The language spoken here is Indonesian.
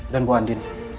dan bu andi